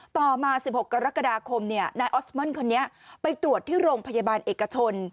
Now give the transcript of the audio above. ต่อมา๑๖กรกฎาคมนายออสมคนนี้ไปตรวจที่โรงพยาบาลเอกชน